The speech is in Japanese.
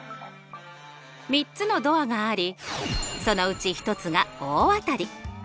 ３つのドアがありそのうち１つが大当たり。